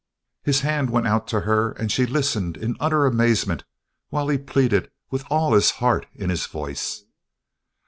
His hand went out to her and she listened in utter amazement while he pleaded with all his heart in his voice.